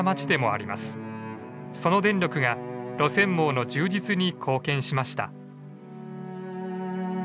その電力が路線網の充実に貢献しました。